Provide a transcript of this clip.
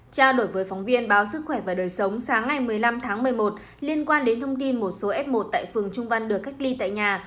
trao đổi với phóng viên báo sức khỏe và đời sống sáng ngày một mươi năm tháng một mươi một liên quan đến thông tin một số f một tại phường trung văn được cách ly tại nhà